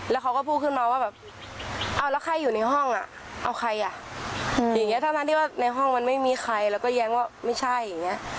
แล้วเขาก็พูดขึ้นมาว่าแบบเอาแล้วใครอยู่ในห้องอ่ะเอาใครอ่ะอย่างนี้ทั้งที่ว่าในห้องมันไม่มีใครแล้วก็แย้งว่าไม่ใช่อย่างนี้